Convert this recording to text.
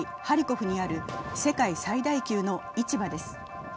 ハリコフにある世界最大級の市場です。